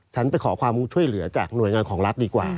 ฉันไปขอความช่วยเหลือจากหน่วยงานของรัฐดีกว่า